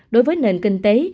đối với nền kinh tế